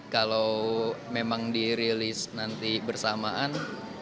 kalau memang dirilis nanti bersamaan